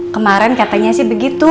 kemaren katanya sih begitu